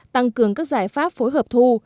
tăng cường các giải pháp phối hợp thu